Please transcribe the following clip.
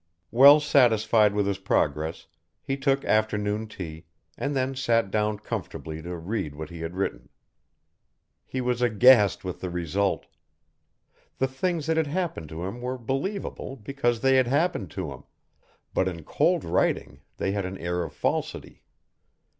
Well satisfied with his progress he took afternoon tea, and then sat down comfortably to read what he had written. He was aghast with the result. The things that had happened to him were believable because they had happened to him, but in cold writing they had an air of falsity.